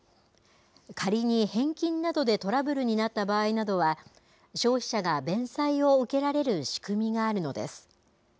仮に返金などでトラブルになった場合などは、消費者が弁済を受けられる仕組みがあるのです。